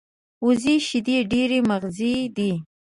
وزې شیدې ډېرې مغذي دي